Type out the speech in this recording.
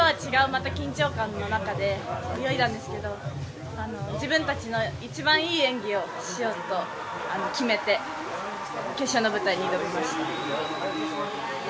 また緊張感の中で泳いだんですけど、自分たちの一番いい演技をしようと決めて決勝の舞台に挑みました。